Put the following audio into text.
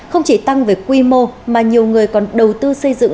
không chỉ tăng về quy mô mà nhiều người còn đầu tư xây dựng